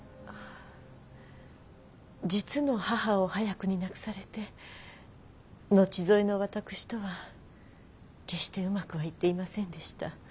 実の母を早くに亡くされて後添えの私とは決してうまくはいっていませんでした。